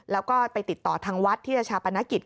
แล้วก็ไปติดต่อทางวัดที่จะชาปนกิจ